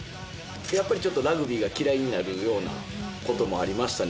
やっぱりちょっとラグビーが嫌いになるようなこともありましたね。